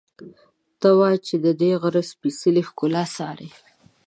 ته وا چې ددې غره سپېڅلې ښکلا څاري.